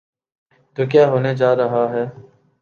تو کیا ہونے جا رہا ہے؟